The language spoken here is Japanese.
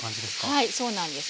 はいそうなんです。